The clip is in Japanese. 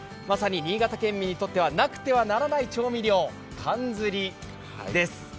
まさに新潟県民にとっては、なくてはならない調味料、かんずりです。